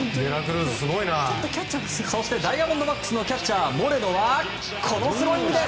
ダイヤモンドバックスのキャッチャー、モレノはこのスローイングです！